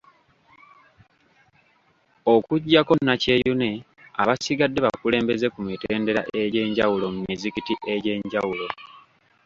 Okujjako Nakyeyune, abasigadde bakulembeze ku mitendera egy'enjawulo mu mizikiti egy'enjawulo.